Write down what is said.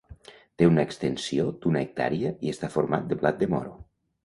Té una extensió d'una hectàrea i està format de blat de moro.